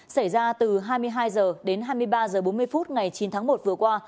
xảy ra từ hai mươi hai h đến hai mươi ba h bốn mươi phút ngày chín tháng một vừa qua